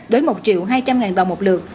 đối một triệu hai trăm linh đồng một lượt